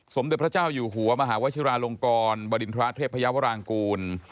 สมเด็จพระเจ้าอยู่หัวมหาวชิราลงกรบริณฑระเทพยาวรางกูล